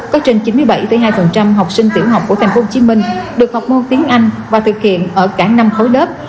có trên chín mươi bảy hai học sinh tiểu học của tp hcm được học môn tiếng anh và thực hiện ở cả năm khối lớp